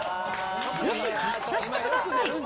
ぜひ発射してください。